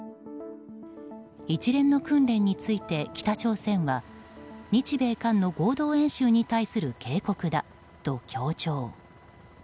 一連の訓練について北朝鮮は日米韓の合同演習に対する警告だと強調。